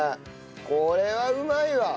これはうまいわ！